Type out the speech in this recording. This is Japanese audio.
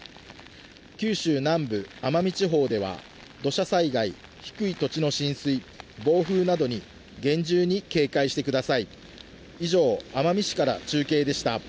九州南部、奄美地方では土砂災害、低い土地の浸水、暴風などに厳重に警戒してください。